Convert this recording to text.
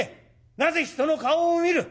なぜ人の顔を見る？